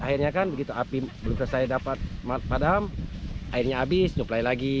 akhirnya kan begitu api belum selesai dapat padam airnya habis nyuplai lagi